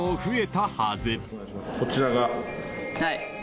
こちらが。